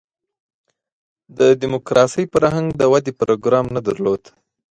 د دیموکراسۍ فرهنګ د ودې پروګرام نه درلود.